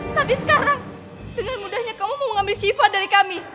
tapi sekarang dengan mudahnya kamu mau mengambil shiva dari kami